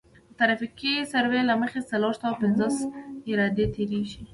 د ترافیکي سروې له مخې څلور سوه پنځوس عرادې تیریږي